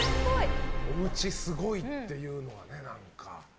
おうちすごいっていうのはね何か。